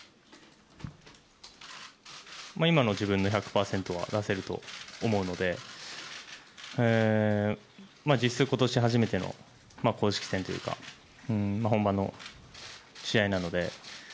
今の自分の１００％は出せると思うので実質今年初めての公式戦というか本番の試合なので。